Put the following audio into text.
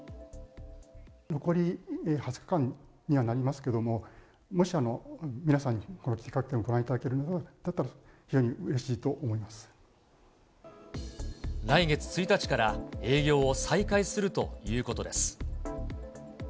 残り２０日間にはなりますけれども、もし皆さんにこの企画展をご覧いただけるのだったら、非常にうれ来月１日から営業を再開するということです。